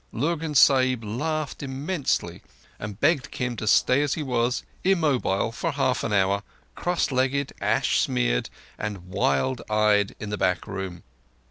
Lurgan Sahib laughed immensely, and begged Kim to stay as he was, immobile for half an hour—cross legged, ash smeared, and wild eyed, in the back room.